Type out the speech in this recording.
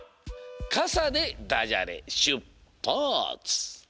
「かさ」でダジャレしゅっぱつ！